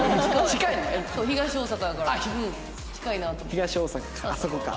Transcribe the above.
東大阪か。